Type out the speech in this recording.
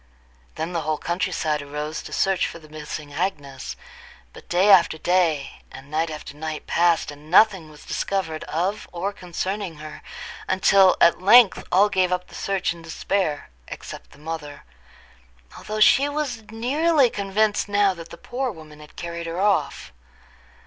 Then the whole country side arose to search for the missing Agnes; but day after day and night after night passed, and nothing was discovered of or concerning her, until at length all gave up the search in despair except the mother, although she was nearly convinced now that the poor woman had carried her off.